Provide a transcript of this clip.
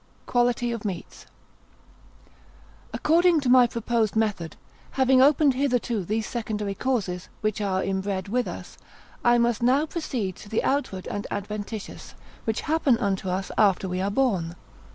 Quality of Meats_. According to my proposed method, having opened hitherto these secondary causes, which are inbred with us, I must now proceed to the outward and adventitious, which happen unto us after we are born.